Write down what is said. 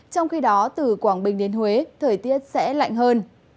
trong khi đó từ quảng bình đến huế thời tiết sẽ lạnh hơn